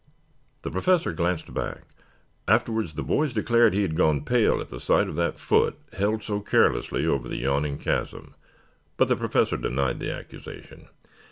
The Professor glanced back. Afterwards the boys declared he had gone pale at the sight of that foot held so carelessly over the yawning chasm, but the Professor denied the accusation.